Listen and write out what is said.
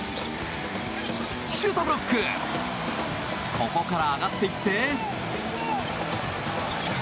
ここから上がっていって。